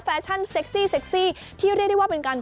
แฟชั่นเซ็กซี่ที่เรียกได้ว่าเป็นการ